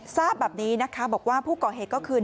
ทราบแบบนี้นะคะบอกว่าผู้ก่อเหตุก็คือ